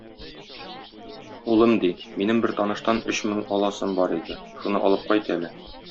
Улым, ди, минем бер таныштан өч мең аласым бар иде, шуны алып кайт әле.